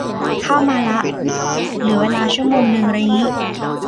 เข้ามาละ เหลือเวลาชั่วโมงนึงไรงี้